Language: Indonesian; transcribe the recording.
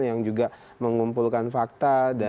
yang juga mengumpulkan fakta